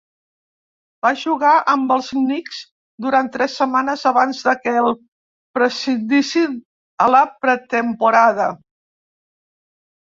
Va jugar amb els Knicks durant tres setmanes abans de que el prescindissin a la pretemporada.